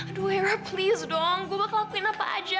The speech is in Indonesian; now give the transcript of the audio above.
aduh ini please dong gue bakal lakuin apa aja